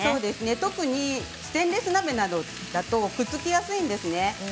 特にステンレス鍋だとくっつきやすいんですね。